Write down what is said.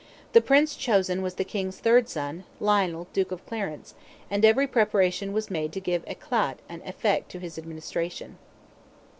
The Prince chosen was the King's third son, Lionel, Duke of Clarence; and every preparation was made to give eclat and effect to his administration.